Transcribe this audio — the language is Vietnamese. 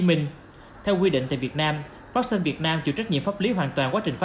minh theo quy định tại việt nam vaccine việt nam chịu trách nhiệm pháp lý hoàn toàn quá trình phát